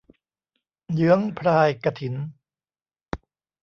เยื้องพรายกฐิน